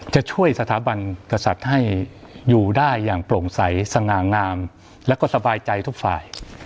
จะช่วยสถาบันกษัตริย์ให้อยู่ได้อย่างโปร่งใสสง่างามและก็สบายใจทุกฝ่าย